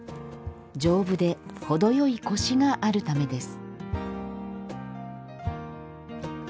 丈夫で程よいコシがあるためです。